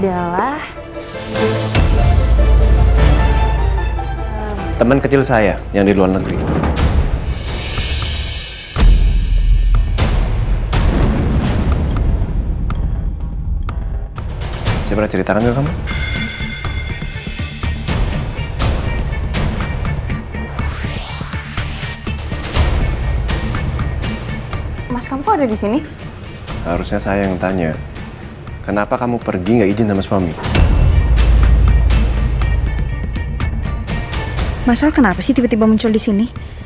ehm setau aku al itu gak pernah punya trauma sama perempuan din